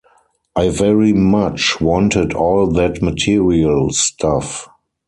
I very much wanted all that material stuff.